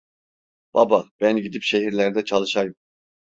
Baba, ben gidip şehirlerde çalışayım.